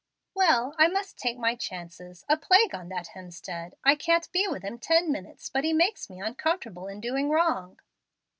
"Well, I must take my chances. A plague on that Hemstead! I can't be with him ten minutes but he makes me uncomfortable in doing wrong.